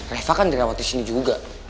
reva kan dirawat disini juga